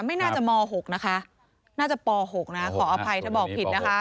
ไม่น่าจะม๖นะคะน่าจะป๖นะขออภัยถ้าบอกผิดนะคะ